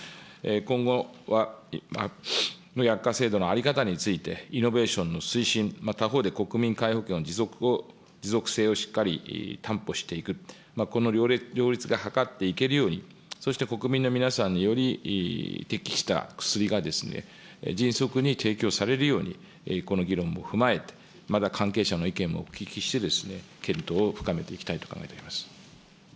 今後の薬価制度の在り方について、イノベーションの推進、他方で国民皆保険の持続性をしっかり担保していく、この両立が図っていけるように、そして国民の皆さんに、より適した薬が迅速に提供させるように、この議論も踏まえて、また関係者の意見もお聞きして、検討を深めていきたいと考えております。